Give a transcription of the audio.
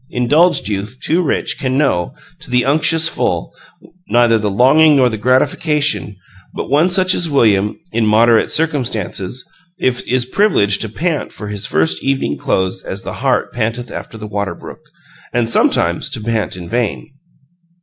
Indulged youths, too rich, can know, to the unctuous full, neither the longing nor the gratification; but one such as William, in "moderate circumstances," is privileged to pant for his first evening clothes as the hart panteth after the water brook and sometimes, to pant in vain.